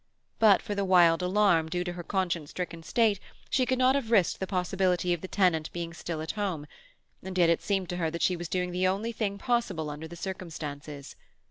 But for the wild alarm due to her conscience stricken state she could not have risked the possibility of the tenant being still at home; and yet it seemed to her that she was doing the only thing possible under the circumstances.